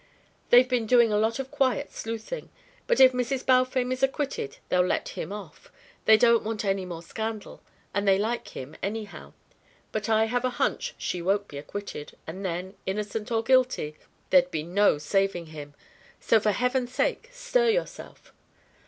They've been doing a lot of quiet sleuthing, but if Mrs. Balfame is acquitted they'll let him off. They don't want any more scandal, and they like him, anyhow. But I have a hunch she won't be acquitted; and then, innocent or guilty, there'd be no saving him. So for heaven's sake, stir yourself."